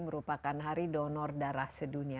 merupakan hari donor darah sedunia